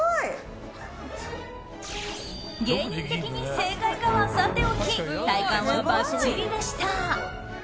芸人的に正解かはさておき体幹はばっちりでした。